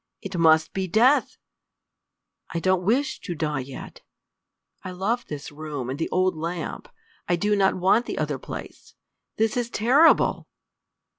It must be death! I don't wish to die yet. I love this room and the old lamp. I do not want the other place! This is terrible!"